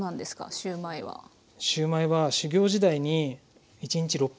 シューマイは修業時代に１日６００個とか。